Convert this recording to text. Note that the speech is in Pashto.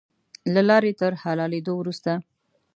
له لارې تر حلالېدلو وروسته.